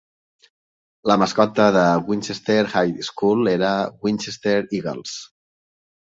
La mascota de Winchester High School era Winchester Eagles.